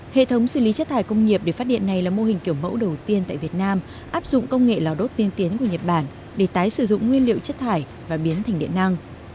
hệ thống xử lý chất thải công nghiệp để phát điện này là mô hình kiểu mẫu đầu tiên tại việt nam áp dụng công nghệ lò đốt tiên tiến của nhật bản để tái sử dụng nguyên liệu chất thải và biến thành điện năng